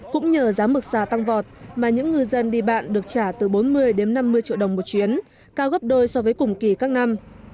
cũng nhờ giá mực xà tăng vọt mà những ngư dân đi bạn được trả từ bốn mươi đến năm mươi triệu đồng một chuyến cao gấp đôi so với cùng kỳ các năm